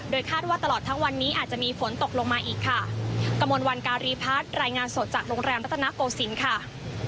คาดว่าตลอดทั้งวันนี้อาจจะมีฝนตกลงมาอีกค่ะกระมวลวันการีพัฒน์รายงานสดจากโรงแรมรัฐนาโกศิลป์ค่ะ